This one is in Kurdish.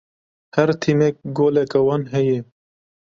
Her tîmek goleka wan heye.